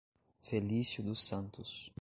Felício dos Santos